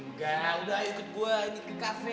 enggak udah ikut gue ini ke kafe